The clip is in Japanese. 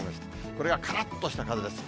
これがからっとした風です。